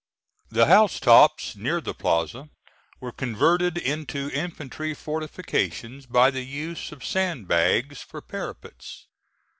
The house tops near the plaza were converted into infantry fortifications by the use of sand bags for parapets.